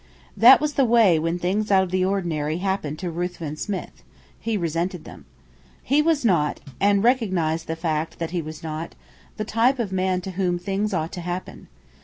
That was the way when things out of the ordinary happened to Ruthven Smith: he resented them. He was not and recognized the fact that he was not the type of man to whom things ought to happen.